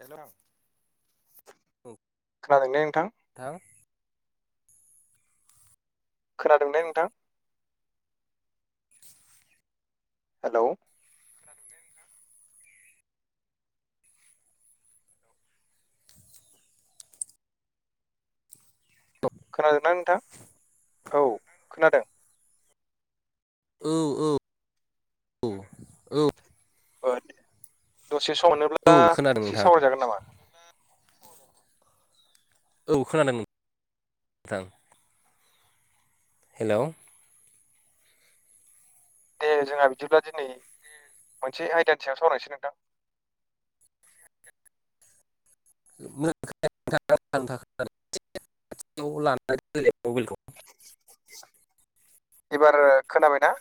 Hello खोनादोंना नोंथां? थां खोनादों ना नोंथां? हेलऔ टग खोनादोंना नोंथां? औ खोनादों। औ औ औ औ [unintelligible] दसे सम औ मोनोब्ला खोनादों एसे नोंथां सावराय जागोन नामा? औ खोनादोंमोन ओं हेलौ दे जोंहा बिदिब्ला दिनै मोनसे आयदानि सायाव सावरायनोसै नोंथां मोजां खोनायाखै नोंथां एसे [unintelligible] लालाय मबाइखौ एबार खोनाबायना?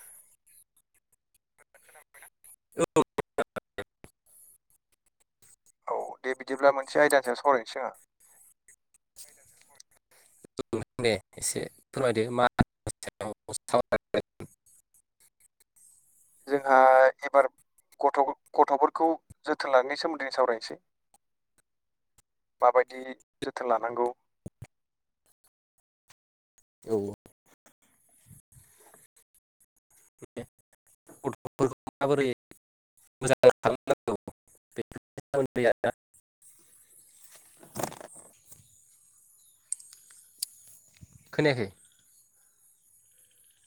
औ [unintelligible] औ दे बिदिब्ला मोनसे आयदानि सायाव सरायनोसै आङो दे एसे फोरमायदो मा [unintelligible] जोंहा एबार गथ' गथ'फोरखौ जोथोन लानायनि सोमोनदै सावरायनोसै माबायदि जोथोन लानांगौ औ ाया [unintelligible] माबोरै मोजां खालामनांगौ बेनि सोमोनदै आरोना खोनायाखै